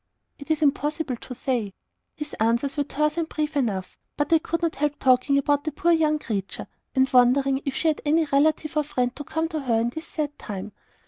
"It is impossible to say." His answers were terse and brief enough, but I could not help talking about the poor young creature, and wondering if she had any relative or friend to come to her in this sad time.